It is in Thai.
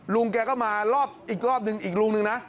ลุงแกก็มารอบอีกรอบนึงอีกลุงหนึ่งนะ